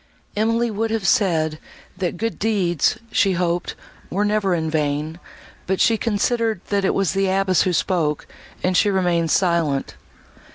Emily would have said, that good deeds, she hoped, were never vain; but she considered that it was the abbess who spoke, and she remained silent.